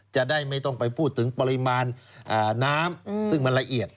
จะได้ไม่ต้องไปพูดถึงปริมาณน้ำซึ่งมันละเอียด